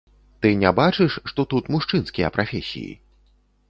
Ты не бачыш, што тут мужчынскія прафесіі?